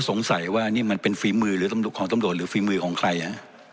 สงสัยว่านี่มันเป็นฟรีมือหรือต้องดูของต้มโดดหรือฟรีมือของใครอ่ะ